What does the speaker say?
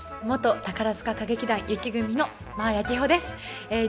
元宝塚歌劇団雪組の真彩希帆です。